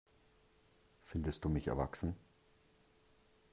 Findest du mich erwachsen?